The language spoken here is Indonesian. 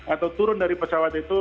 atau turun dari pesawat itu